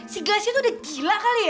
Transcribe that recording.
si gasnya tuh udah gila kali ya